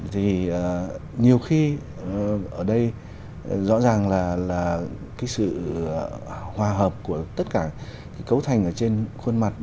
thì nhiều khi ở đây rõ ràng là cái sự hòa hợp của tất cả cấu thành ở trên khuôn mặt